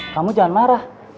kamu jangan marah